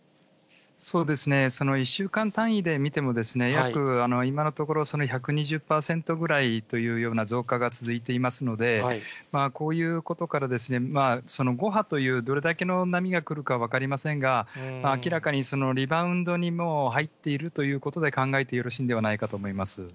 そうですね、その１週間単位で見ても、約、今のところ、その１２０％ぐらいという増加が続いていますので、こういうことから、その５波というどれだけの波が来るか分かりませんが、明らかにリバウンドにもう、入っているということで考えてよろしいんではないかと思います。